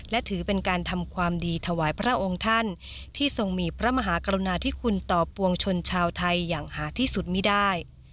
และถือเป็นการทำความดีถวายพระองค์ท่านที่ทรงมีพระมหากรุณาธิคุณต่อปวงชนชาวไทยอย่างหาที่สุดไม่ได้